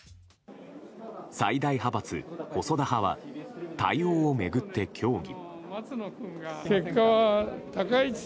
最大派閥・細田派は対応を巡って協議。